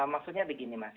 maksudnya begini mas